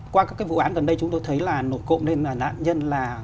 qua các cái vụ án gần đây chúng tôi thấy là nổi cộng nên là nạn nhân là